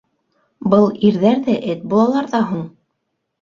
Был ирҙәр ҙә эт булалар ҙа һуң!